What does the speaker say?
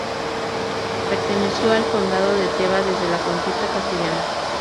Perteneció al Condado de Teba desde la conquista castellana.